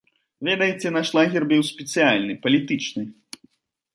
Ведаеце, наш лагер быў спецыяльны, палітычны.